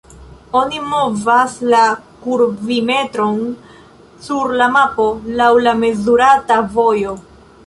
Oni movas la kurvimetron sur la mapo laŭ la mezurata vojo.